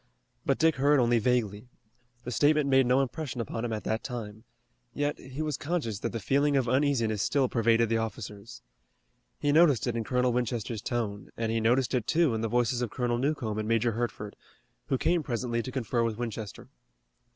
But Dick heard only vaguely. The statement made no impression upon him at that time. Yet he was conscious that the feeling of uneasiness still pervaded the officers. He noticed it in Colonel Winchester's tone, and he noticed it, too, in the voices of Colonel Newcomb and Major Hertford, who came presently to confer with Winchester.